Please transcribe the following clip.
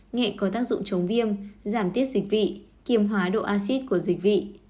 nghệ có tác dụng chống viêm giảm tiết dịch vị kim hóa độ acid của dịch vị